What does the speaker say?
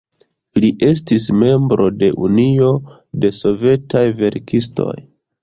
Li estis membro de Unio de Sovetaj Verkistoj.